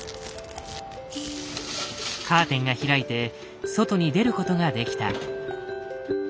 カーテンが開いて外に出ることができた。